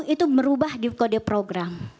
itu merubah di kode program